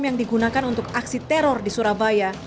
yang digunakan untuk aksi teror di surabaya